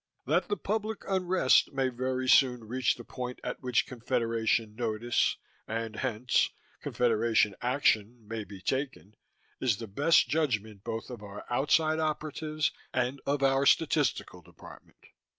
That the public unrest may very soon reach the point at which Confederation notice, and hence Confederation action, may be taken is the best judgment both of our outside operatives and of our statistical department.